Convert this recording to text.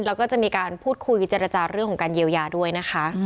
แล้วก็จะมีการพูดคุยเจรจาเรื่องของการเยียวยาด้วยนะคะ